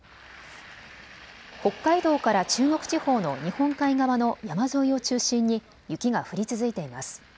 北海道から中国地方の日本海側の山沿いを中心に雪が降り続いています。